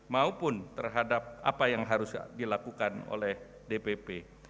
maupun terhadap apa yang harus dilakukan oleh dpp